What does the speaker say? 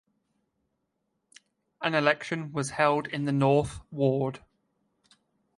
An election was held in the North Ward.